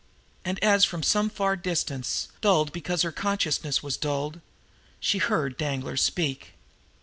And, as from some far distance, dulled because her consciousness was dulled, she heard Danglar speak.